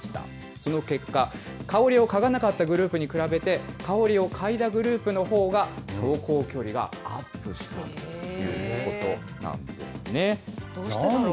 その結果、香りを嗅がなかったグループに比べて、香りを嗅いだグループのほうが走行距離がアップしたということなどうしてだろう？